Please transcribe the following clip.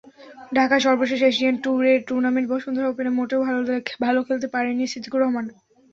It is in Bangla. ঢাকায় সর্বশেষ এশিয়ান ট্যুরের টুর্নামেন্ট বসুন্ধরা ওপেনে মোটেও ভালো খেলতে পারেননি সিদ্দিকুর রহমান।